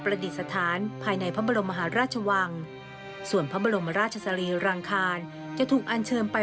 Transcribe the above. ดิษฐานภายในพระบรมมหาราชวังส่วนพระบรมราชสรีรังคารจะถูกอันเชิญไป